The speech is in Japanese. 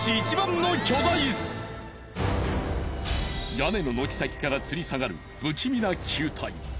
屋根の軒先からつり下がる不気味な球体。